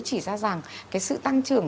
chỉ ra rằng cái sự tăng trưởng